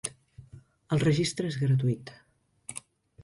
El registre es gratuït.